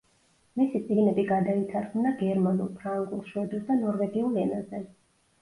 მისი წიგნები გადაითარგმნა გერმანულ, ფრანგულ, შვედურ და ნორვეგიულ ენაზე.